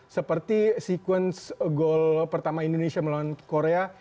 seperti sekuens gol pertama indonesia melawan korea